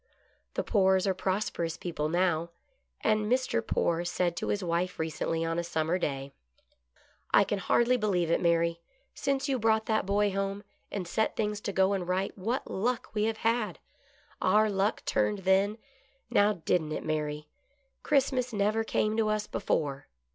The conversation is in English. The Poores are prosperous people now, and Mr. Poore said to his wife recently on a summer day: 68 GOOD LUCK. "I can hardly believe it, Mary — since you brought that boy home, and set things to goin' right what luck we have had ; our luck turned then, now didn't it, Mary ? Christmas never came to us before."